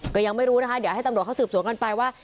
ก็ยังไม่รู้นะคะเดี๋ยวให้ตำรวจเขาสืบสวนกันไปว่า